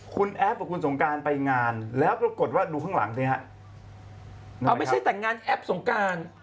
คุณแอฟกับคุณสงการไปงานแล้วปรากฏว่าดูข้างหลังสิฮะเอาไม่ใช่แต่งงานแอปสงการ